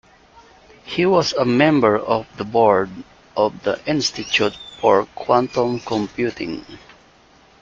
He was a member of the board of the Institute for Quantum Computing.